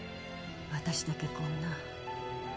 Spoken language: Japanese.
私だけこんな。